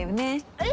えっ？